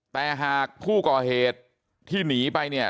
แต่หากผู้ก่อเหตุที่หนีไปเนี่ย